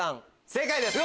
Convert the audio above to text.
正解です。